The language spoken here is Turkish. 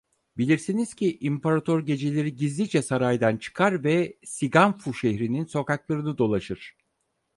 Bilirsiniz ki İmparator geceleri gizlice saraydan çıkar ve SiGanFu şehrinin sokaklarını dolaşır.